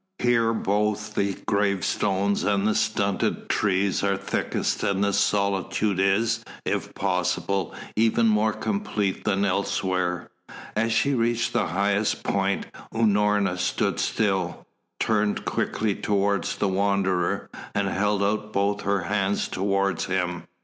Here both the gravestones and the stunted trees are thickest, and the solitude is, if possible, even more complete than elsewhere. As she reached the highest point Unorna stood still, turned quickly towards the Wanderer and held out both her hands towards him.